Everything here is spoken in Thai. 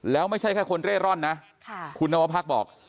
แล้วไม่ใช่แค่คนเร่ร่อนนะคุณนวพักบอก